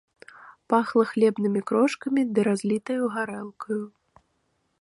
Пахла хлебнымі крошкамі ды разлітаю гарэлкаю.